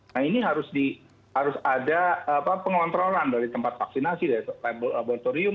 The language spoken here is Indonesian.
nah ini harus ada pengontrolan dari tempat vaksinasi dari laboratorium